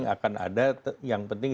akan ada yang penting